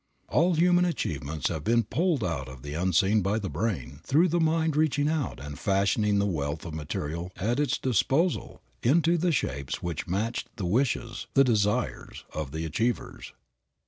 All human achievements have been pulled out of the unseen by the brain, through the mind reaching out and fashioning the wealth of material at its disposal into the shapes which matched the wishes, the desires, of the achievers.